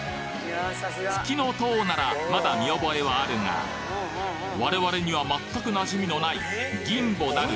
「ふきのとう」ならまだ見覚えはあるが我々には全く馴染みのない「ぎんぼ」なる